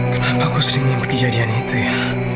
kenapa aku sering mengikuti kejadian itu ya